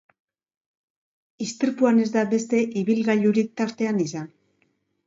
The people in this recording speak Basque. Istripuan ez da beste ibilgailurik tartean izan.